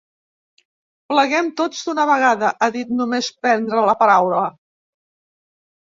Pleguem tots d’una vegada, ha dit només prendre la paraula.